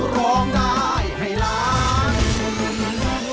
ร้องได้ให้ล้าน